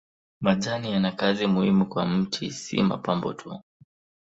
Majani yana kazi muhimu kwa mti si mapambo tu.